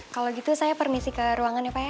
kalau gitu saya pernisik ke ruangannya pak